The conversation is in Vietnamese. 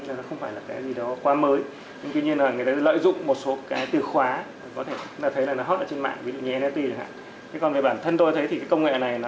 cái còn về bản thân tôi thấy thì cái công nghệ này nó rất là tốt và miễn bản